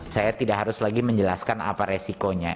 saya tidak harus lagi menjelaskan apa resikonya